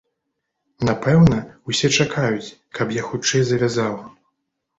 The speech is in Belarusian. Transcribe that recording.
Напэўна, усе чакаюць, каб я хутчэй завязаў.